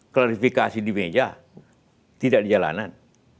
klarifikasi di meja tidak di jalanan